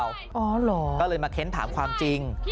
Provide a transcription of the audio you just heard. อ๋อเหรอก็เลยมาเค้นถามความจริง